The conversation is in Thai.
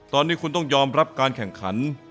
ตอนนี้คุณต้องยอมรับการแข่งขัน